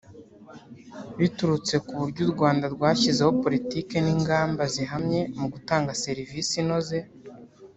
biturutse ku buryo u Rwanda rwashyizeho politiki n’ingamba zihamye mu gutanga serivisi inoze